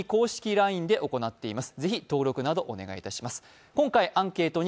ＬＩＮＥで行っています。